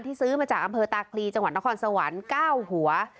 ซื้อมาจากอำเภอตาคลีจังหวัดนครสวรรค์๙หัว